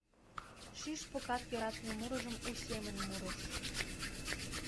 Шӱшпыкат йӧратыме мурыжым у семын мурыш.